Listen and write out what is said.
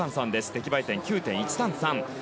出来栄え点、９．１３３。